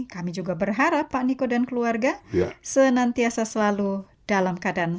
kami juga berharap pak niko dan keluarga senantiasa selalu dalam keadaan sehat